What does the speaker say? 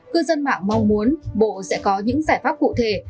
cư dân mạng mong muốn bộ sẽ có những giải pháp cụ thể